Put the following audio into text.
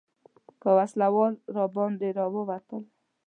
که وسله وال راباندې راووتل.